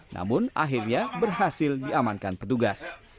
namun akhirnya berhasil diamankan petugas